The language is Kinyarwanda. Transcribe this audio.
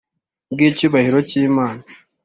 Bw icyubahiro cy imana